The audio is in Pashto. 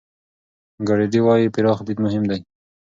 ګرېډي وايي، پراخ لید مهم دی.